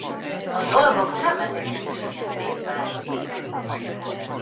A dolgok nem mentek ilyen könnyen Dave-vel.